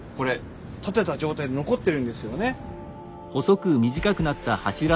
建てた状態で残ってるんですよね。